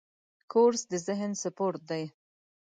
کورس د ذهن سپورټ دی.